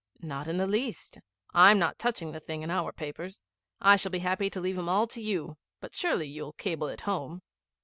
'Not in the least. I'm not touching the thing in our papers. I shall be happy to leave 'em all to you; but surely you'll cable it home?'